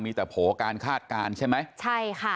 มีแต่โผล่การคาดการณ์ใช่ไหมใช่ค่ะ